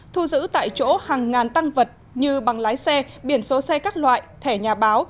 thu giữ tại chỗ hàng ngàn tăng vật như bằng lái xe biển số xe các loại thẻ nhà báo